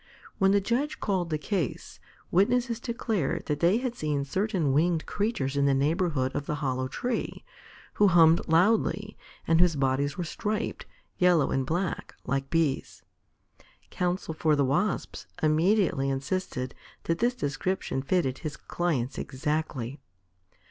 When the Judge called the case, witnesses declared that they had seen certain winged creatures in the neighborhood of the hollow tree, who hummed loudly, and whose bodies were striped, yellow and black, like Bees. Counsel for the Wasps immediately insisted that this description fitted his clients exactly.